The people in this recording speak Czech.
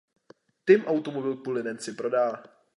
Tim automobil kvůli Nancy prodá.